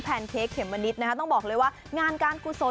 เค้กเขมมะนิดนะคะต้องบอกเลยว่างานการกุศล